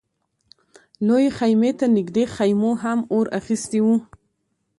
لويې خيمې ته نږدې خيمو هم اور اخيستی و.